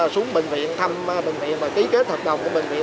xuống bệnh viện thăm bệnh viện và ký kết hợp đồng của bệnh viện